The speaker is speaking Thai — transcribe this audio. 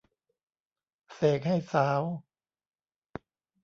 เสกให้สาว